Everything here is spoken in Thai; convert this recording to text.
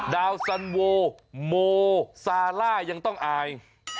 ดาวสันโวโมซาล่ายังต้องอาย